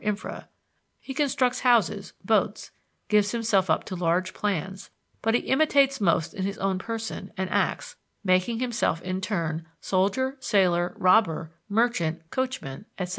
infra). He constructs houses, boats, gives himself up to large plans; but he imitates most in his own person and acts, making himself in turn soldier, sailor, robber, merchant, coachman, etc.